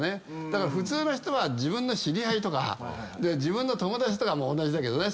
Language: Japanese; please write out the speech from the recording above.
だから普通の人は自分の知り合いとか自分の友達とかも同じだけどね。